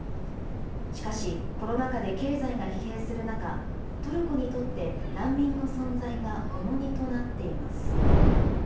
しかし、コロナ禍で経済が疲弊する中、トルコにとって、難民の存在が重荷となっています。